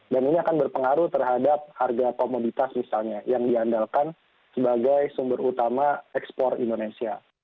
dan ini akan berpengaruh terhadap harga komoditas misalnya yang diandalkan sebagai sumber utama ekspor indonesia